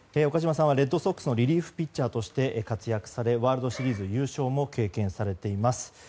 岡島さんはレッドソックスのリリーフピッチャーとして活躍されワールドシリーズ優勝も経験されています。